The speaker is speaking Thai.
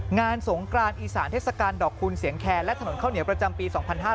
งานสงกรานอีสานเทศกาลดอกคูณเสียงแคร์และถนนข้าวเหนียวประจำปี๒๕๕๙